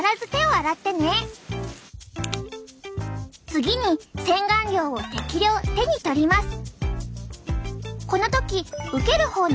次に洗顔料を適量手に取ります。